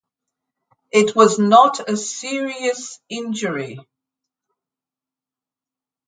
It was not a serious injury.